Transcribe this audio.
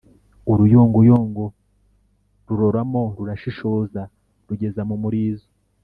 uruyongoyongo ruroramo, rurashishoza rugeza mu murizo